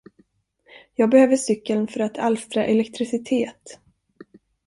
Jag behöver cykeln för att alstra elektricitet.